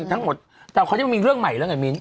แต่เขาจะมีเรื่องใหม่แล้วไงมีน